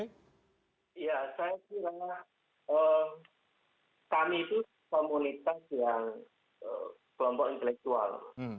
ya saya kira kami itu komunitas yang kelompok intelektual